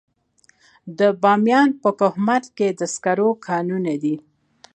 د بامیان په کهمرد کې د سکرو کانونه دي.